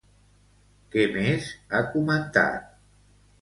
Què més ha comentat?